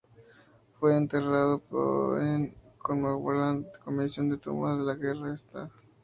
Fue enterrado en Commonwealth Comisión de Tumbas de la Guerra en St.